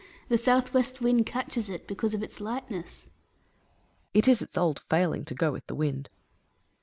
The south west wind catches it, because of its lightness. Hercules. It is its old failinsj to go with the wdnd.